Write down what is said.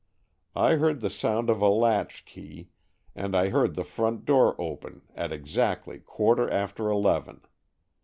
I heard the sound of a latch key and I heard the front door open at exactly quarter after eleven.